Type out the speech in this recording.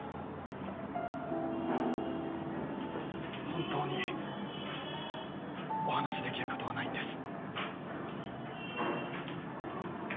本当にお話しできることはないんです。